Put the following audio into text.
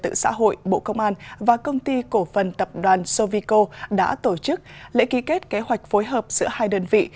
trật tự xã hội bộ công an và công ty cổ phần tập đoàn sovico đã tổ chức lễ ký kết kế hoạch phối hợp giữa hai đơn vị